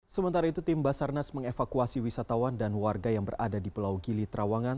sementara itu tim basarnas mengevakuasi wisatawan dan warga yang berada di pulau gili trawangan